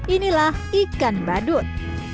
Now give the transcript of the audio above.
inilah ikan badut